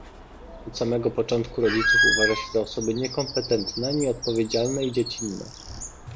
Od samego początku rodziców uważa się za osoby niekompetentne, nieodpowiedzialne i dziecinne